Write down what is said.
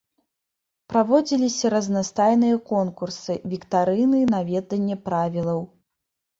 Праводзіліся разнастайныя конкурсы, віктарыны на веданне правілаў.